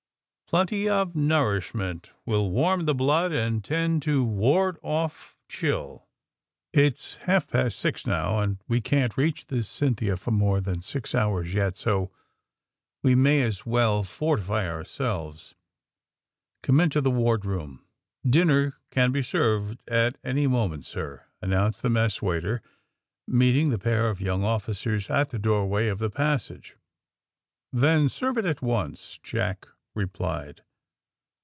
Plenty of nourishment 116 THE SUBMAEINE BOYS will warm the blood and tend to ward off chill. It's half past six now, and we can't reach the 'Cynthia' for more than six hours yet, so we may as well fortify ourselves. Come into the wardroom." '^Dinner can be served at any moment, sir," announced the mess waiter, meeting the pair of young officers at the doorway of the passage. Then serve it at once," Jack replied.